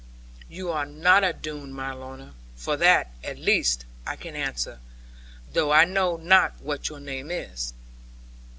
'You are not a Doone, my Lorna, for that, at least, I can answer; though I know not what your name is.'